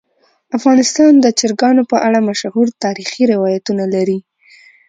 افغانستان د چرګانو په اړه مشهور تاریخی روایتونه لري.